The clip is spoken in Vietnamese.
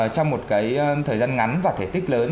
trong một thời gian ngắn và thể tích lớn